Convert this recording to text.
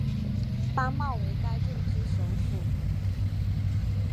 班茂为该镇之首府。